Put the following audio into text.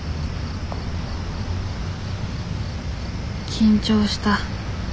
緊張した。